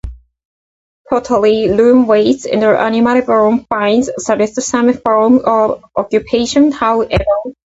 Pottery, loom weights and animal bone finds suggest some form of occupation however.